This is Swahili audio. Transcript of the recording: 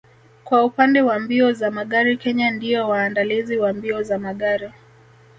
Kwa upande wa mbio za magari Kenya ndio waandalizi wa mbio za magari